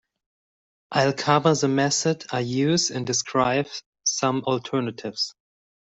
I'll cover the method I use and describe some alternatives.